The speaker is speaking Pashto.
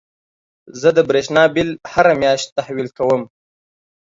زه د برېښنا بيل هره مياشت تحويل کوم.